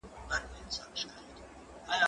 زه پرون سیر کوم؟!